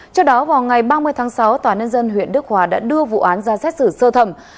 trước đó vào ngày ba mươi tháng sáu tòa nhân dân huyện đức hòa đã đưa vụ án ra xét xử sơ thẩm